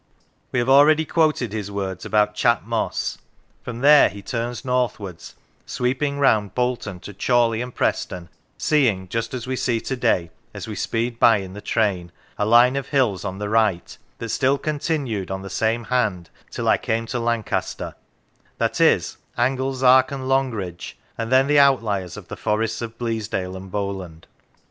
We have already quoted his words about Chat Moss. From there he turns northwards, sweeping round Bolton to Chorley and Preston, seeing, just as we see to day, as we speed by in the train, a line of hills on the right " that still continued on the same hand till I came to Lancaster " that is, Anglezark and Long ridge, and then the outliers of the Forests of Bleasdale and Bowland.